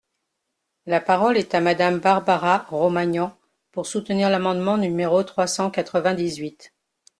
La parole est à Madame Barbara Romagnan, pour soutenir l’amendement numéro trois cent quatre-vingt-dix-huit.